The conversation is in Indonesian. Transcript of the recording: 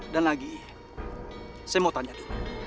dan lagi saya mau tanya dulu